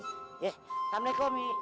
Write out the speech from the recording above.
ya assalamu'alaikum mi